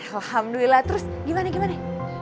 alhamdulillah terus gimana gimana